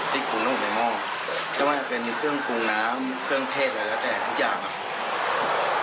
ปรุงนกในหม้อไม่ว่าจะเป็นเครื่องปรุงน้ำเครื่องเทศอะไรแล้วแต่ทุกอย่างครับ